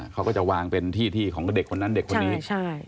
เขาก็จะวางเป็นที่ที่ของเด็กคนนั้นเด็กคนนี้ใช่